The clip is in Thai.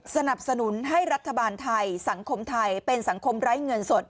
สนับสนุนให้รัฐบาลไทยสังคมไทยเป็นสังคมไร้เงินสด